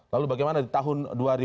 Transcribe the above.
lalu bagaimana di tahun dua ribu dua